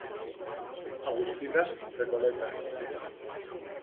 Agustinas Recoletas.